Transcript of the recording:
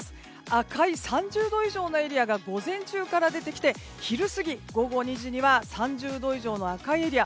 赤い３０度以上のエリアが午前中から出てきて昼過ぎ、午後２時には３０度以上の赤いエリア